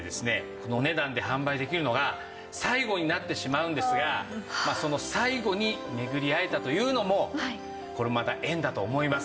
このお値段で販売できるのが最後になってしまうんですがその最後に巡り会えたというのもこれもまた縁だと思います。